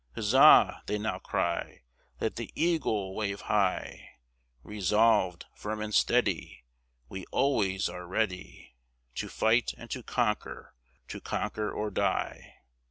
Huzza! they now cry, Let the Eagle wave high; Resolved, firm, and steady, We always are ready To fight, and to conquer, to conquer or die.